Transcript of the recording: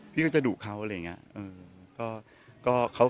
พี่ก็จะดุเขา